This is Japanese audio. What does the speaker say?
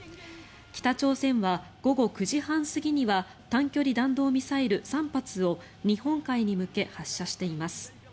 北朝鮮は、午後９時半過ぎには短距離弾道ミサイル３発を日本海に向け発射しています。